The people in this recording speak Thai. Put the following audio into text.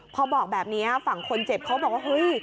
พอบอกแบบนี้ฝั่งคนเจ็บเขาบอกว่าเฮ้ย